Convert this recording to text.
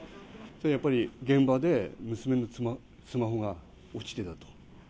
やっぱり現場で、娘のスマホが落ちてたと。